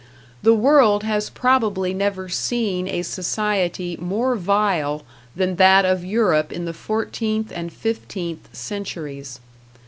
The world has probably never seen a society more vile than that of Europe in the fourteenth and fifteenth centuries.